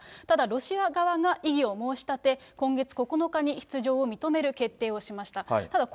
ただロシア側が異議を申し立て、今月９日に出場を認める決定をしました。